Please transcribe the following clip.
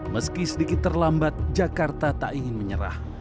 meski sedikit terlambat jakarta tak ingin menyerah